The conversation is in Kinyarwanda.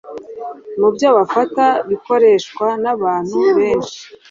mu byo bafata bikoreshwa nabantu benshi